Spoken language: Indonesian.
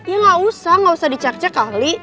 ya gak usah gak usah dicak cak ahli